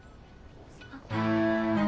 あっ。